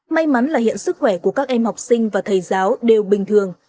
may mắn là hiện sức khỏe của các em học sinh và thầy giáo đều bình thường